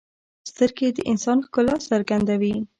سترګې د انسان ښکلا څرګندوي